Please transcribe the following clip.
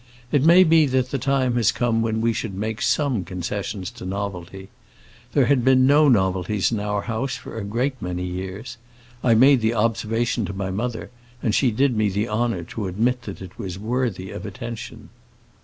"It may be that the time has come when we should make some concession to novelty. There had been no novelties in our house for a great many years. I made the observation to my mother, and she did me the honor to admit that it was worthy of attention."